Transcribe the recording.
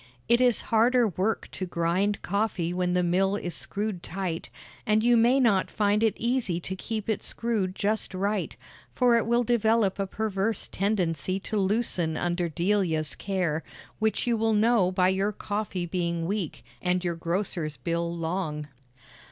It is harder work to grind coffee when the mill is screwed tight, and you may not find it easy to keep it screwed just right, for it will develop a perverse tendency to loosen under Delia's care, which you will know by your coffee being weak and your grocer's bill long.